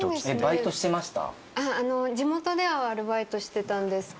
バイトしてました？